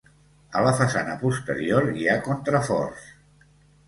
A la façana posterior hi ha contraforts.